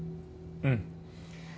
うん